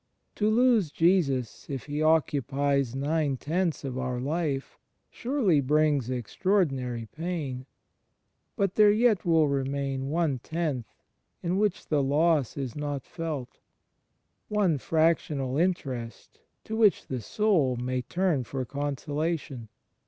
To lose Jesus if He occupies nine tenths of our life surely brings extraordinary pain; but there yet will remain one tenth in which the loss is not felt — one fractional interest to which the soul may turn for consolation.